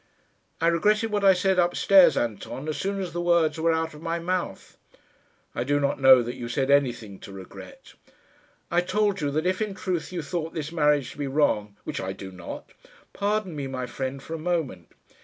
"I regretted what I said up stairs, Anton, as soon as the words were out of my mouth." "I do not know that you said anything to regret." "I told you that if in truth you thought this marriage to be wrong " "Which I do not." "Pardon me, my friend, for a moment.